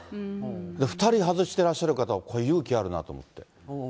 ２人外してらっしゃる方は勇気あるなと思って。